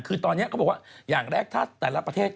คือตอนนี้เขาบอกว่าอย่างแรกถ้าแต่ละประเทศ